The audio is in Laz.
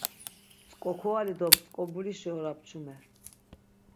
Mtzk̆okuali do mtzk̆ombulişi ora pçumer.